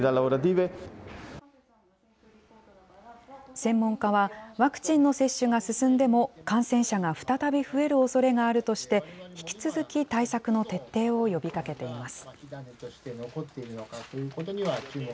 専門家は、ワクチンの接種が進んでも、感染者が再び増えるおそれがあるとして、引き続き対策の徹底を呼びかけています。